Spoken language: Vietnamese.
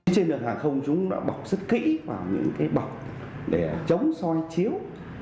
trên đường hàng không chúng đã bọc rất kỹ vào những cái bọc để chống soi chiếu